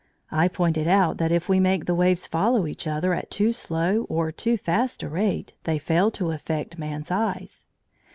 I pointed out that if we make the waves follow each other at too slow or too fast a rate they fail to affect man's eyes.